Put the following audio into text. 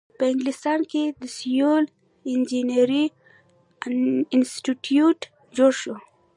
په انګلستان کې د سیول انجینری انسټیټیوټ جوړ شو.